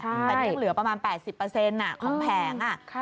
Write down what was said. ใช่แต่ยังเหลือประมาณแปดสิบเปอร์เซ็นต์อ่ะของแผงอ่ะค่ะ